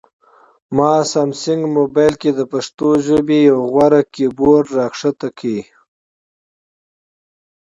ما سامسنګ مبایل کې د پښتو ژبې یو غوره کیبورډ راښکته کړ